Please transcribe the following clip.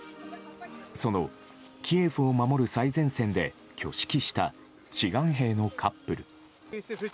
そのキエフを守る最前線で挙式した志願兵のカップル。